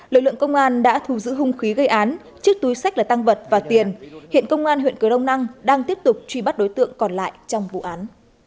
lực lượng công an đã thu giữ hung khí gây án chiếc túi sách là tăng vật và tiền hiện công an huyện cờ rông năng đang tiếp tục truy bắt đối tượng còn lại trong vụ án